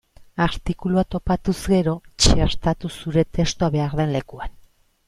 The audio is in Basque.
Artikulua topatuz gero, txertatu zure testua behar den lekuan.